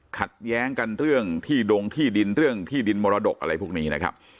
ขัดแย้งกันเรื่องที่ดงที่ดินเรื่องที่ดินมรดกอะไรพวกนี้นะครับ